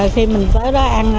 khi mình tới đó ăn